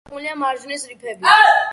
გარშემორტყმულია მარჯნის რიფებით.